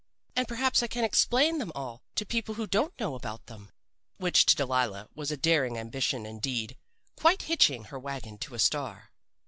And perhaps I can explain them all to people who don't know about them.' "Which to Delilah was a daring ambition indeed quite hitching her wagon to a star.